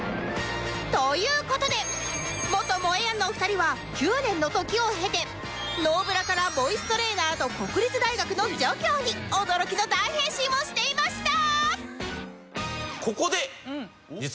という事で元モエヤンのお二人は９年の時を経てノーブラからボイストレーナーと国立大学の助教に驚きの大変身をしていました！